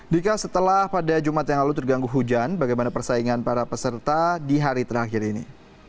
dika setelah pada jumat yang lalu terganggu hujan bagaimana persaingan para peserta di hari terakhir ini